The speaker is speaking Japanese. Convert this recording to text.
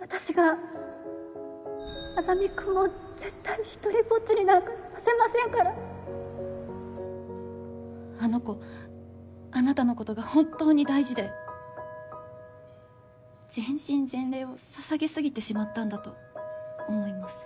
私が莇君を絶対に独りぼっちになんかさせませんからあの子あなたのことが本当に大事で全身全霊をささげ過ぎてしまったんだと思います。